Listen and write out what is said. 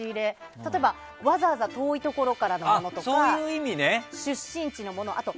例えば、わざわざ遠いところからのものとか出身地のものとか。